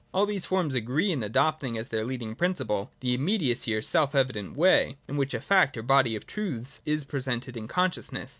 All these forms agree in adopting as their leading principle the immediacy, or self evident way, in which a fact or body of truths is presented in conscious ness.